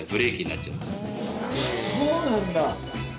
あっそうなんだ。